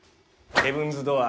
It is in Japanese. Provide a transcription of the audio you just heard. ヘブンズ・ドアー。